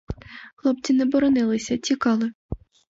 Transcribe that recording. Хлопці не боронилися, тікали.